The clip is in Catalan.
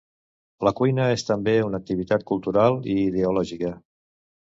la cuina és també una activitat cultural i ideològica